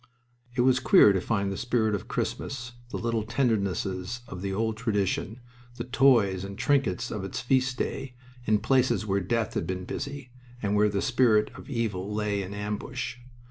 It was queer to find the spirit of Christmas, the little tendernesses of the old tradition, the toys and trinkets of its feast day, in places where Death had been busy and where the spirit of evil lay in ambush!